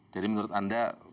jadi menurut anda